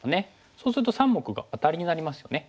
そうすると３目がアタリになりますよね。